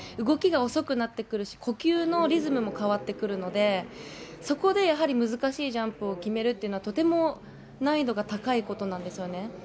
動きが遅くなってくるし、呼吸のリズムも変わってくるので、そこでやはり難しいジャンプを決めるっていうのは、とても難易度が高いことなんですよね。